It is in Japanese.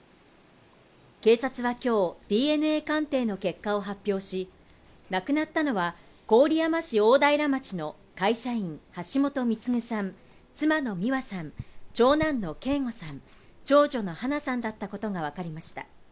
警察は今日、ＤＮＡ鑑定の結果を発表し、亡くなったのは郡山市大平町の会社員・橋本貢さん、妻の美和さん、長男の啓吾さん、長女の華奈さんだったことがわかりました。